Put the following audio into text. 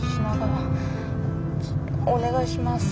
お願いします。